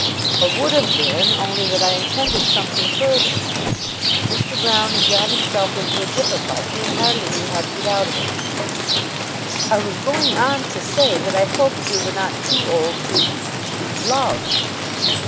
"Or would have been, only that I intended something further." Mr. Broune had got himself into a difficulty and hardly knew how to get out of it. "I was going on to say that I hoped we were not too old to love."